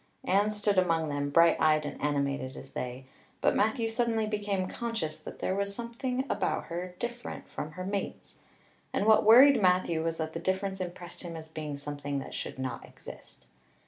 Anne stood among them, bright eyed and animated as they; but Matthew suddenly became conscious that there was something about her different from her mates. And what worried Matthew was that the difference impressed him as being something that should not exist.